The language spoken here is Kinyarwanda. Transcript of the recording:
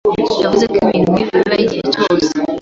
yavuze ko ibintu nkibi bibaho igihe cyose.